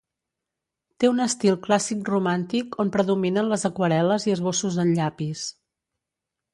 Té un estil clàssic romàntic on predominen les aquarel·les i esbossos en llapis.